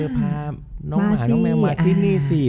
พาน้องหมาน้องแมวมาที่นี่สิ